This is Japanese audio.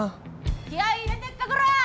気合入れてっかこらぁ！